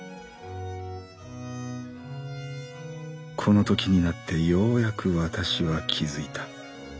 このときになってようやくわたしは気づいた。